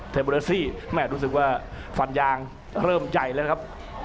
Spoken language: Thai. โบเรซี่แม่รู้สึกว่าฟันยางเริ่มใจแล้วนะครับ